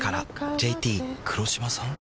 ＪＴ黒島さん？